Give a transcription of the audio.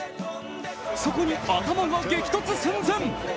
そこに頭が激突寸前。